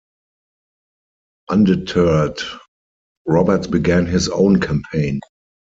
Undeterred, Roberts began his own campaign.